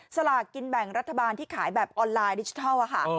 สลากกินแบ่งรัฐบาลที่ขายแบบออนไลน์ดิจิทัลค่ะ